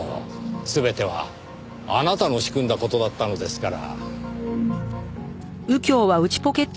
全てはあなたの仕組んだ事だったのですから。